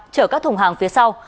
chở các thùng hàng phía sau